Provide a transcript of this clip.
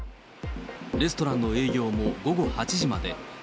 レストランの営業も午後８時まで。